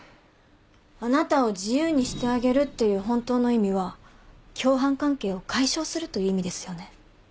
「あなたを自由にしてあげる」っていう本当の意味は共犯関係を解消するという意味ですよね。